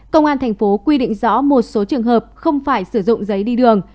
công an tp hcm quy định rõ một số trường hợp không phải sử dụng giấy đi đường